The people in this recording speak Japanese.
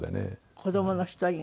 子どもの１人が。